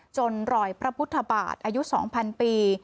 รอยพระพุทธบาทอายุ๒๐๐ปี